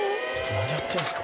何やってんすか。